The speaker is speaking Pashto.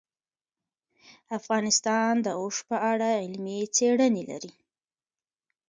افغانستان د اوښ په اړه علمي څېړنې لري.